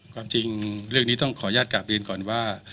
ความจริงเรื่องนี้ต้องขออนุญาตกลับเรียนก่อนว่า